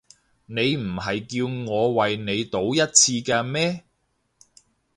你唔係叫我為你賭一次嘅咩？